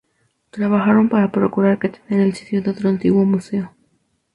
Trabajaron para procurar que tener el sitio de otro antiguo museo.